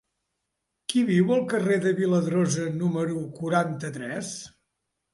Qui viu al carrer de Viladrosa número quaranta-tres?